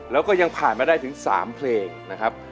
แล้วก็ยังผ่านมาได้ถึง๓เพลงนะครับ